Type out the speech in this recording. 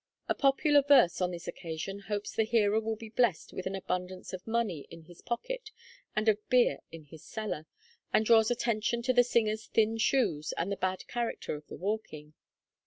A popular verse on this occasion hopes the hearer will be blessed with an abundance of money in his pocket and of beer in his cellar, and draws attention to the singers' thin shoes and the bad character of the walking.